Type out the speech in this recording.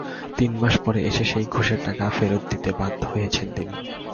তিন মাস পরে এসে সেই ঘুষের টাকা ফেরত দিতে বাধ্য হয়েছেন তিনি।